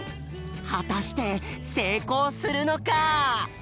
はたしてせいこうするのか？